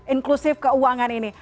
inklusif keuangan ini